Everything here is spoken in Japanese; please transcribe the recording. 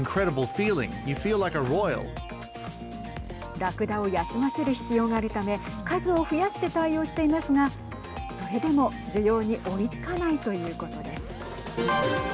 らくだを休ませる必要があるため数を増やして対応していますがそれでも需要に追いつかないということです。